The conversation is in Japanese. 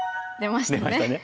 出ましたね。